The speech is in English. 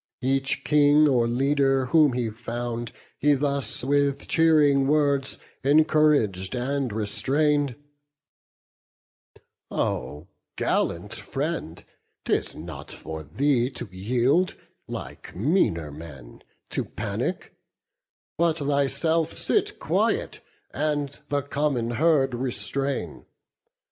Each King or leader whom he found he thus With cheering words encourag'd and restrain'd: "O gallant friend, 'tis not for thee to yield, Like meaner men, to panic; but thyself Sit quiet, and the common herd restrain.